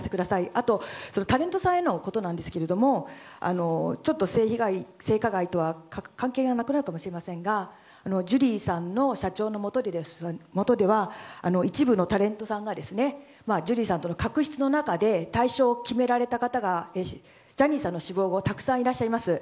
あと、タレントさんへのことなんですけどちょっと性加害とは関係がなくなるかもしれませんがジュリーさんの社長のもとでは一部のタレントさんがジュリーさんとの確執の中で退所を決められた方がジャニーさんの死亡後たくさんいらっしゃいます。